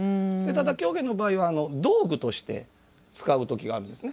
ただ、狂言の場合は道具として使うことがあるんです。